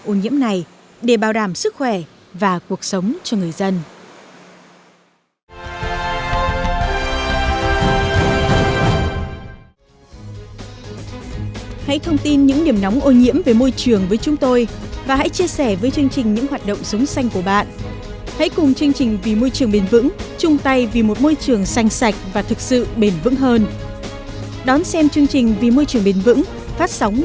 có biện pháp xử lý rất điểm tình trạng ô nhiễm này để bảo đảm sức khỏe và cuộc sống cho người dân